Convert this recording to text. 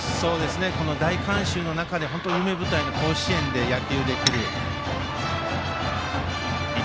この大観衆の中で夢舞台の甲子園で野球できること。